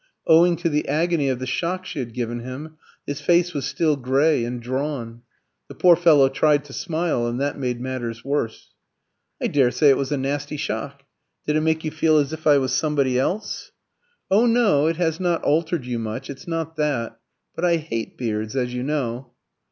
Owing to the agony of the shock she had given him, his face was still grey and drawn. The poor fellow tried to smile, and that made matters worse. "I daresay it was a nasty shock. Did it make you feel as if I was somebody else?" "Oh no; it has not altered you much. It's not that. But I hate beards, as you know."